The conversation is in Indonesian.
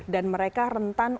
dan mereka rentan